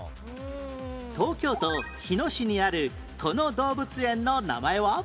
東京都日野市にあるこの動物園の名前は？